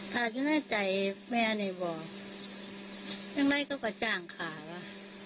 ขาจะน่าใจแม่นี่บอกทำไมก็กระจ่างขาว่ะ